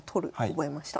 覚えました。